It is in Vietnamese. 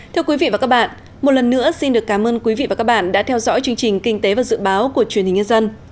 thưa quý vị và các bạn một lần nữa xin được cảm ơn quý vị và các bạn đã theo dõi chương trình kinh tế và dự báo của truyền hình nhân dân